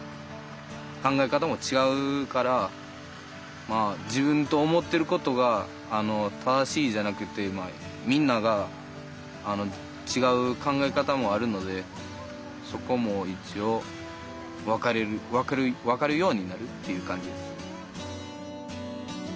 考え方も違うから自分と思ってることが正しいじゃなくてみんなが違う考え方もあるのでそこも一応分かるようになるっていう感じです。